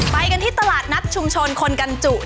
ไปกันที่ตลาดนัดชุมชนคนกันจุ